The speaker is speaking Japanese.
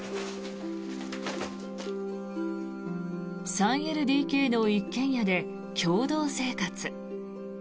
３ＬＤＫの一軒家で共同生活。